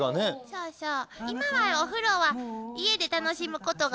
そうそう。